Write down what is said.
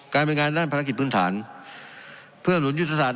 บริเวณงานด้านภารกิจพื้นฐานเพื่อหนุนยุทธศาส